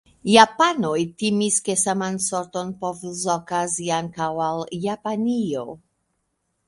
Japanoj timis ke saman sorton povus okazi ankaŭ al Japanio.